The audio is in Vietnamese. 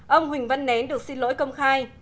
ông huỳnh văn nén được xin lỗi công khai